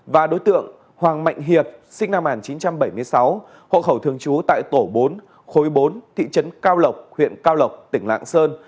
và đối tượng hoàng mạnh hiệp sinh năm một nghìn chín trăm bảy mươi sáu hộ khẩu thường trú tại tổ bốn khối bốn thị trấn cao lộc huyện cao lộc tỉnh lạng sơn